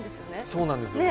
そうなんですよ